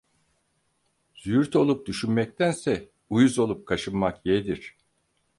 Züğürt olup düşünmektense, uyuz olup kaşınmak yeğdir.